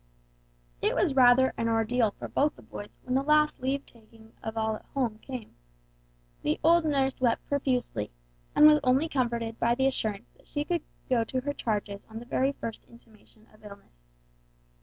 It was rather an ordeal for both the boys when the last leave takings of all at home came. The old nurse wept profusely, and was only comforted by the assurance that she should go to her charges on the very first intimation of illness.